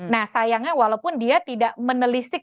nah sayangnya walaupun dia tidak menelisik